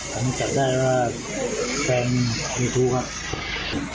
ตอนที่จับได้สิ้นว่าแฟนมีถุครับ